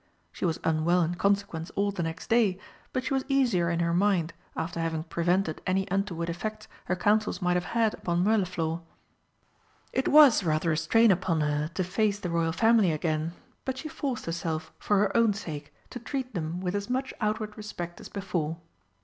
She was unwell in consequence all the next day, but she was easier in her mind after having prevented any untoward effects her counsels might have had upon Mirliflor. It was rather a strain upon her to face the Royal Family again, but she forced herself, for her own sake, to treat them with as much outward respect as before.